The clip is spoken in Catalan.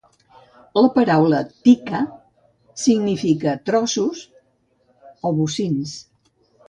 La paraula "tikka" significa "trossos" o "bocins".